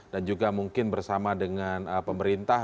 dan juga mungkin bersama dengan pemerintah